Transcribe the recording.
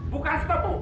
bukan stop tuh